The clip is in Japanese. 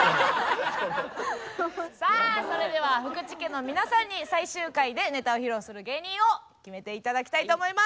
それでは福池家の皆さんに最終回でネタを披露する芸人を決めて頂きたいと思います。